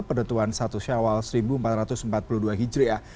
penentuan satu syawal seribu empat ratus empat puluh dua hijriah